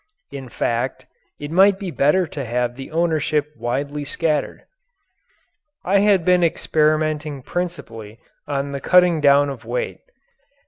In fact, it might be better to have the ownership widely scattered. I had been experimenting principally upon the cutting down of weight.